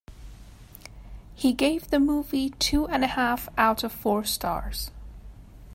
He gave the movie two and a half out of four stars.